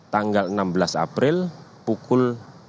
tanggal enam belas april pukul enam belas